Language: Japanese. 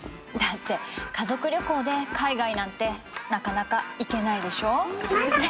だって家族旅行で海外なんてなかなか行けないでしょ。